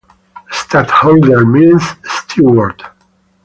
"Stadtholder" means "steward".